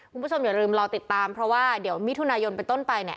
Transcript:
คุณผู้ชมอย่าลืมรอติดตามเพราะว่าเดี๋ยวมิถุนายนเป็นต้นไปเนี่ย